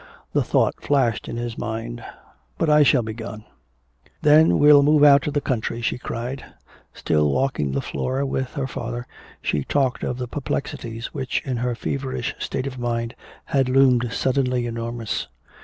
The thought flashed in his mind, "But I shall be gone." "Then we'll move out to the country!" she cried. Still walking the floor with her father, she talked of the perplexities which in her feverish state of mind had loomed suddenly enormous.